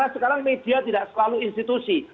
karena sekarang media tidak selalu institusi